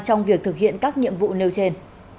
trong việc thực hiện các nhiệm vụ nêu trên